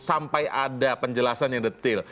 sampai ada penjelasan yang detil